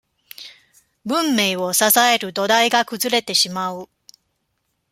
文明を支える土台が崩れてしまう。